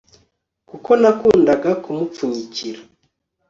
kuko nakundaga kumupfunyikira